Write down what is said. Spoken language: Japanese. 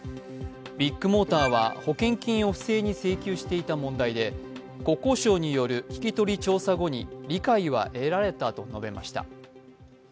ビッグモーターは保険金を不正に請求していた問題で国交省による聞き取り調査後に理解は得られたと述べました。